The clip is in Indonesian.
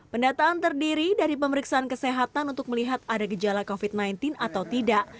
pendataan terdiri dari pemeriksaan kesehatan untuk melihat ada gejala covid sembilan belas atau tidak